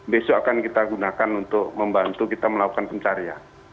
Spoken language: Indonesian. besok akan kita gunakan untuk membantu kita melakukan pencarian